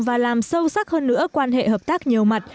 và làm sâu sắc hơn nữa quan hệ hợp tác nhiều mặt